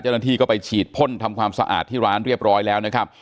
เจ้าหน้าที่ก็ไปฉีดพ่นทำความสะอาดที่ร้านเรียบร้อยแล้วนะครับ